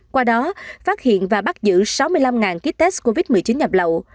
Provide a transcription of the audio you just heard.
qua đó phát hiện và bắt giữ sáu mươi năm ký test covid một mươi chín nhập lậu